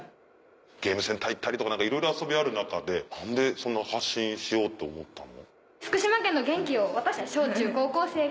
ゲームセンター行ったりとかいろいろ遊びある中で何で発信しようって思ったの？